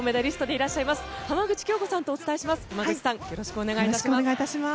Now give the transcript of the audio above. よろしくお願いします。